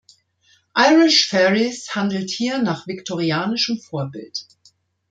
Irish Ferries handelt hier nach viktorianischem Vorbild.